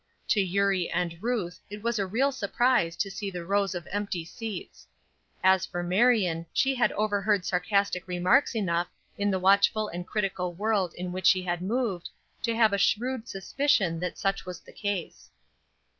To Eurie and Ruth it was a real surprise to see the rows of empty seats. As for Marion she had overheard sarcastic remarks enough in the watchful and critical world in which she had moved to have a shrewd suspicion that such was the case.